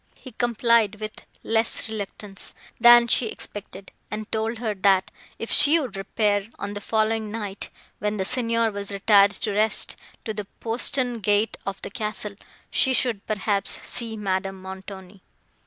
He complied with less reluctance, than she expected, and told her, that, if she would repair, on the following night, when the Signor was retired to rest, to the postern gate of the castle, she should, perhaps, see Madame Montoni.